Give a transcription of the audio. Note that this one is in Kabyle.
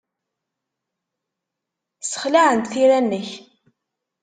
Ssexlaɛent tira-nnek.